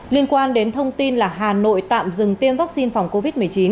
liên quan đến thông tin là hà nội tạm dừng tiêm vaccine phòng covid một mươi chín